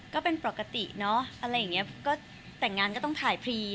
ก็เป็นปกติเนอะอะไรอย่างเงี้ยก็แต่งงานก็ต้องถ่ายพรี